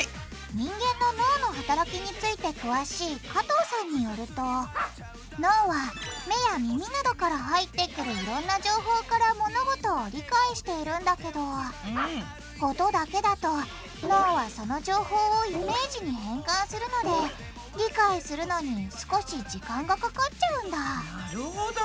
人間の脳の働きについて詳しい加藤さんによると脳は目や耳などから入ってくるいろんな情報から物事を理解しているんだけど音だけだと脳はその情報をイメージに変換するので理解するのに少し時間がかかっちゃうんだなるほど！